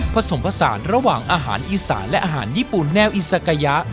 ผสมผสานระหว่างอาหารอีสานและอาหารญี่ปุ่นแนวอิซากายะ